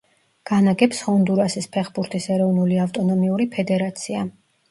განაგებს ჰონდურასის ფეხბურთის ეროვნული ავტონომიური ფედერაცია.